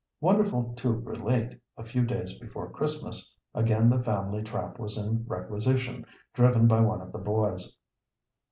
Wonderful to relate, a few days before Christmas, again the family trap was in requisition, driven by one of the boys.